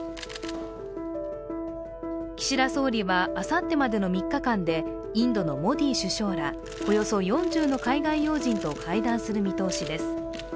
岸田総理はあさってまでの３日間でインドのモディ首相らおよそ４０の海外要人と会談する見通しです。